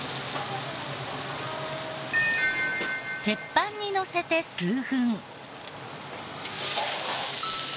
鉄板にのせて数分。